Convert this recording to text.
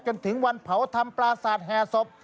จนถึงวันเผาทำปราศาสตร์แห่ศพ